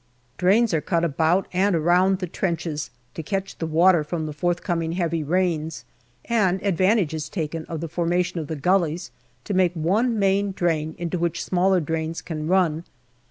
Drains are cut about and around the trenches to catch the water of the forthcoming heavy rains, and advantage is taken of the formation of the gullies to make one main drain into which smaller drains can run.